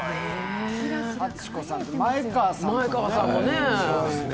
幸子さんと前川さんもね。